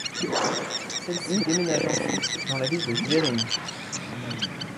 Celle-ci déménage ensuite dans la ville de Schwerin.